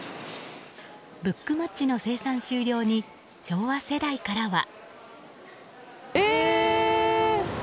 ブックマッチの生産終了に昭和世代からは。